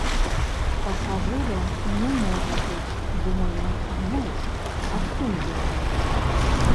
Пасажыраў не можа быць, думаю, глуш, адкуль яны.